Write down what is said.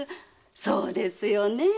そうですよねえ。